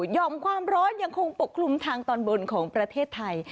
่อมความร้อนยังคงปกคลุมทางตอนบนของประเทศไทย